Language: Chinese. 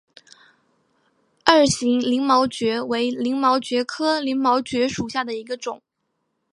二型鳞毛蕨为鳞毛蕨科鳞毛蕨属下的一个种。